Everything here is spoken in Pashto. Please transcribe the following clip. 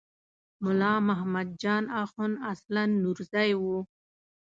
ملا محمد جان اخوند اصلاً نورزی و.